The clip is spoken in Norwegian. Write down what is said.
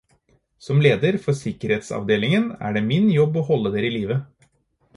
Som leder for sikkerhetsavdelingen, er det min jobb å holde dere i live